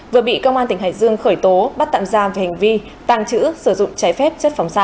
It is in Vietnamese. vừa bị công an tỉnh hải dương khởi tố bắt tạm giam về hành vi tàng trữ sử dụng trái phép chất phóng xạ